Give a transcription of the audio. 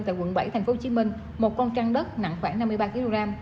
tại quận bảy tp hcm một con trăn đất nặng khoảng năm mươi ba kg